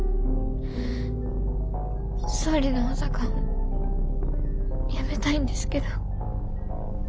総理の補佐官辞めたいんですけど。